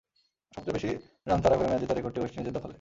সবচেয়ে বেশি রান তাড়া করে ম্যাচ জেতার রেকর্ডটি ওয়েস্ট ইন্ডিজের দখলে।